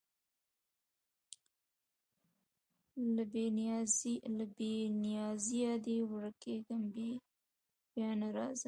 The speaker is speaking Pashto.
له بې نیازیه دي ورکېږمه بیا نه راځمه